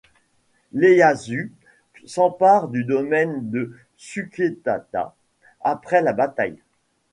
Ieyasu s'empare du domaine de Suketada après la bataille.